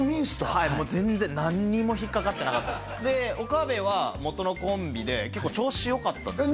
はいもう全然何にも引っかかってなかったですで岡部は元のコンビで結構調子よかったですえっ